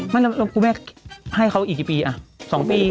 ไม่แล้วคุณแม่ให้เขาอีกกี่ปีอ่ะ๒ปี